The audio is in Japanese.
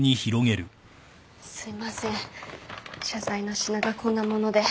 すいません謝罪の品がこんな物で。